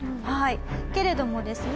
けれどもですね